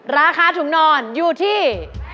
ราคาถุงนอนอยู่ที่